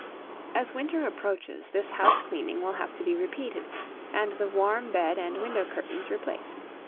As winter approaches, this house cleaning will have to be repeated, and the warm bed and window curtains replaced.